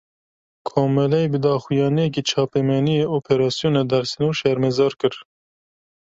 Komeleyê, bi daxuyaniyeke çapameniyê operasyona dersînor şermezar kir